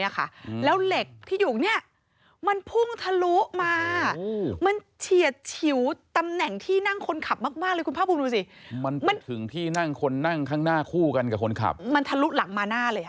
คือมีคันที่หนึ่งคันที่๒คันที่๓